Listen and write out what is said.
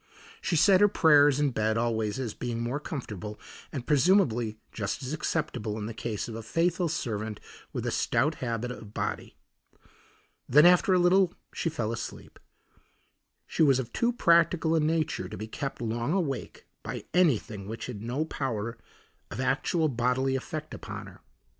She said her prayers in bed always as being more comfortable, and presumably just as acceptable in the case of a faithful servant with a stout habit of body. Then after a little she fell asleep; she was of too practical a nature to be kept long awake by anything which had no power of actual bodily effect upon her.